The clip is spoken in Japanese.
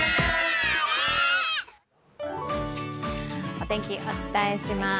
お天気、お伝えします。